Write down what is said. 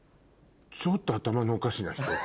ちょっと頭のおかしな人。